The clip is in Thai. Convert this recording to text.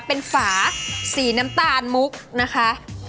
เป็นฝาสีน้ำตาลมุกนะคะ